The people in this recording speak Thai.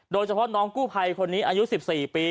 โดยเฉพาะน้องกู้ภัยคนนี้อายุ๑๔ปี